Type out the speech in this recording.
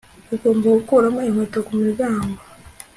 ugomba gukuramo inkweto ku muryango